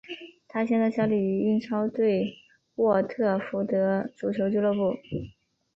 他现在效力于英超球队沃特福德足球俱乐部。